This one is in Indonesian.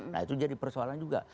nah itu jadi persoalan juga